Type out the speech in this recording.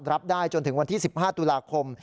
รับได้จนถึงวันที่๑๕ตุลาคม